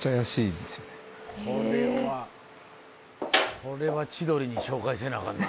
これは千鳥に紹介せなアカンな。